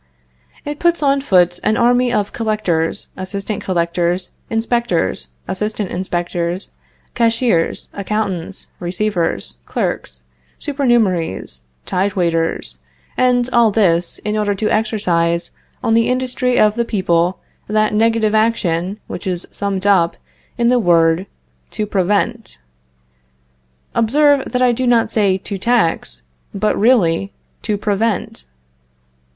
It puts on foot an army of collectors, assistant collectors, inspectors, assistant inspectors, cashiers, accountants, receivers, clerks, supernumeraries, tide waiters, and all this in order to exercise on the industry of the people that negative action which is summed up in the word to prevent. Observe that I do not say to tax, but really to prevent.